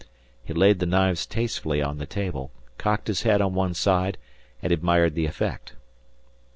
He laid the knives tastefully on the table, cocked his head on one side, and admired the effect.